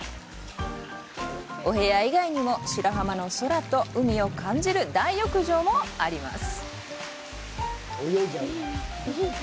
お部屋以外にも白浜の空と海を感じる大浴場もあります。